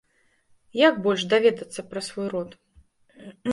Як больш даведацца пра свой род?